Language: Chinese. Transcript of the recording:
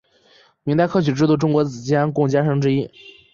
明代科举制度中国子监贡监生之一。